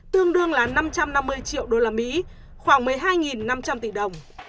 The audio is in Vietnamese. tương đương là năm trăm năm mươi triệu đô la mỹ khoảng một mươi hai năm trăm linh tỷ đồng